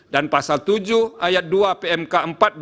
dan pasal tujuh ayat dua pmk empat dua ribu dua puluh tiga